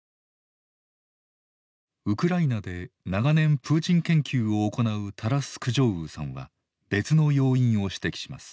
ウクライナで長年プーチン研究を行うタラス・クジョウーさんは別の要因を指摘します。